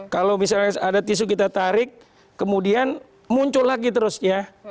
kalau misalnya ada tisu kita tarik kemudian muncul lagi terus ya